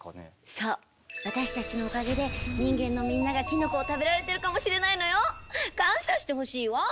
そう私たちのおかげで人間のみんながキノコを食べられてるかもしれないのよ。感謝してほしいわ！